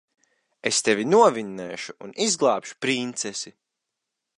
Es tevi novinnēšu un izglābšu princesi.